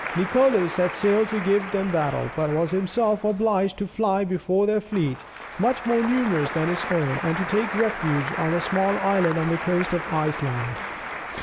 Nicolo set sail to give them battle, but was himself obliged to fly before their fleet, much more numerous than his own, and to take refuge on a small island on the coast of Iceland.